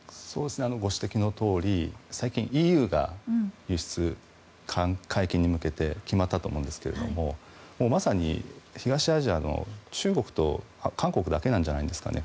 ご指摘のとおり最近ＥＵが、輸出解禁に向けて決まったと思うんですがまさに東アジアの中国と韓国だけなんじゃないですかね